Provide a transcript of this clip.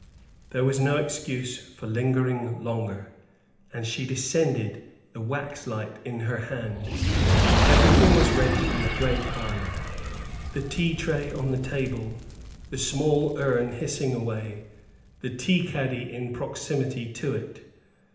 There was no excuse for lingering longer, and she descended, the waxlight in her hand. Everything was ready in the gray parlor the tea tray on the table, the small urn hissing away, the tea caddy in proximity to it.